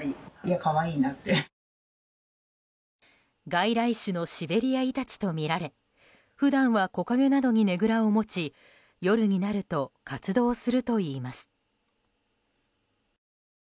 外来種のシベリアイタチとみられ普段は木陰などにねぐらを持ち夜になると活動するといいます。